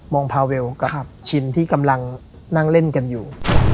องพาเวลกับชินที่กำลังนั่งเล่นกันอยู่